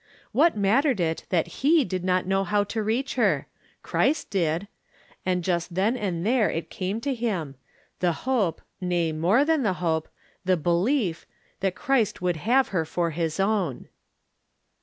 What mat tered it that he did not know how to reach her ? Christ did ; and just then and there it came to him — the hope, nay, more than the hope, the le lief — that Christ would have her for his own.